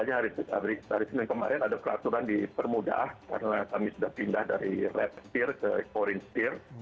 dari kemarin ada peraturan dipermudah karena kami sudah pindah dari red spear ke foreign spear